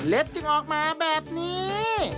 เล็บจึงออกมาแบบนี้